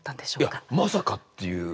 いやまさかっていう。